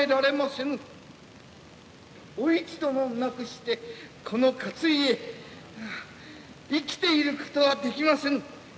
お市殿なくしてこの勝家生きていることはできませぬ。